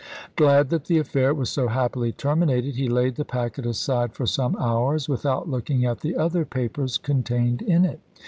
Glad that the affair was so happily terminated, he laid the packet aside for some hours, without looking at the other papers contained in it.